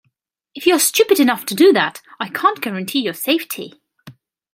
If you are stupid enough to do that, I can't guarantee your safety.